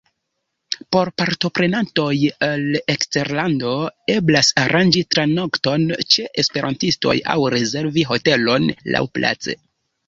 Por partoprenantoj el eksterlando eblas aranĝi tranokton ĉe esperantistoj aŭ rezervi hotelon laŭplace.